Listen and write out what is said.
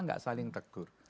tidak saling tegur